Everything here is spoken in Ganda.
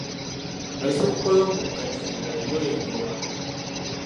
Ensibuko y'omugga Kiyira ye eri wa?